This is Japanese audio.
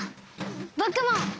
ぼくも！